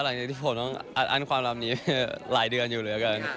หลังจากที่ผมต้องอั้นความรับนี้หลายเดือนอยู่แล้วกัน